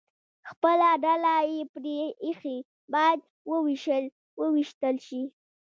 خپله ډله یې پرې ایښې، باید ووېشتل شي.